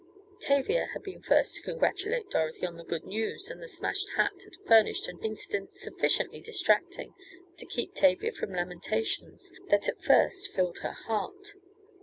Tavia had been first to congratulate Dorothy on the good news and the smashed hat had furnished an incident sufficiently distracting to keep Tavia from the lamentations that at first filled her heart.